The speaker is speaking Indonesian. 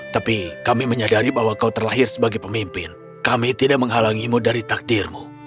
tapi kami menyadari bahwa kau terlahir sebagai pemimpin kami tidak menghalangimu dari takdirmu